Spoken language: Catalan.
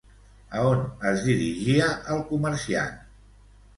A on es dirigia el comerciant?